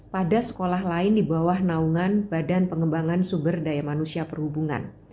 pada sekolah lain di bawah naungan badan pengembangan sumber daya manusia perhubungan